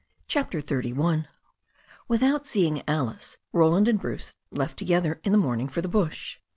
CHAPTER XXXI WITHOUT seeing Alice, Roland and Bruce left together in the morning for the bush.